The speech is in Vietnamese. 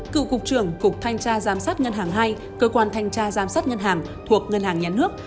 cựu cục trưởng cục thanh tra giám sát ngân hàng hai cơ quan thanh tra giám sát ngân hàng thuộc ngân hàng nhà nước